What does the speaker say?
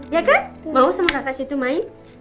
ya kan mau sama kakak situ mai